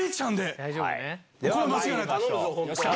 大丈夫ね。